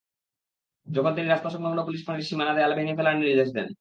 তখন তিনি রাস্তাসংলগ্ন পুলিশ ফাঁড়ির সীমানা দেয়াল ভেঙে ফেলার নির্দেশ দেন।